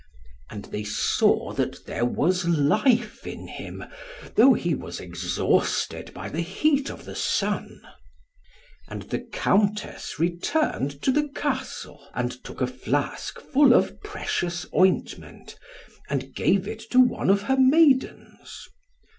And they saw that there was life in him, though he was exhausted by the heat of the sun. And the Countess returned to the Castle, and took a flask full of precious ointment, and gave it to one of her maidens.